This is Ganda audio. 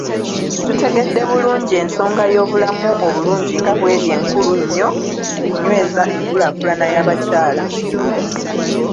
Tutegedde bulungi ensonga y’obulamu obulungi nga bweri enkulu nnyo mu kunyweza enkulaakulana y’abakyala.